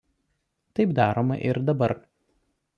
Taip daroma ir dabar.